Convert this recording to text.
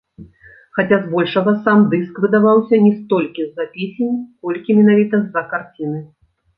Хаця з большага сам дыск выдаваўся не столькі з-за песень, колькі менавіта з-за карціны.